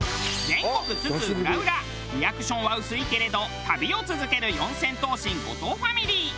全国津々浦々リアクションは薄いけれど旅を続ける四千頭身後藤ファミリー。